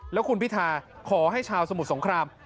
แล้วคุณพิธาขอให้ชาวสมุทรสงคราม